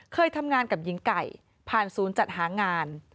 เคยทำงานกับหญิงไก่ผ่านศูนย์จัดหางาน